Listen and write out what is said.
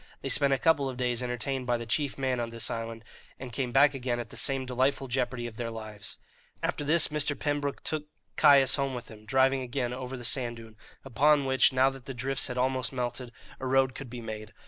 They spent a couple of days entertained by the chief man of this island, and came back again at the same delightful jeopardy of their lives. After this Mr. Pembroke took Caius home with him, driving again over the sand dune, upon which, now that the drifts had almost melted, a road could be made.